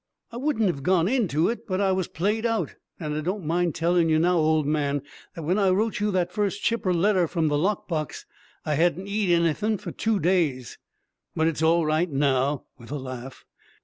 I wouldn't hev gone into it, but I was played out, and I don't mind tellin' you now, old man, that when I wrote you that first chipper letter from the lock box I hedn't eat anythin' for two days. But it's all right now," with a laugh.